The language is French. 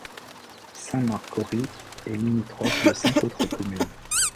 Saint-Marcory est limitrophe de cinq autres communes.